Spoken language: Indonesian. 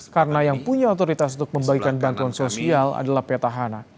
karena yang punya otoritas untuk membagikan bantuan sosial adalah petahana